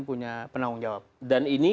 punya penanggung jawab dan ini